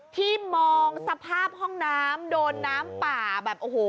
ที่มองสภาพห้องน้ำโดนน้ำป่าแบบโอ้โห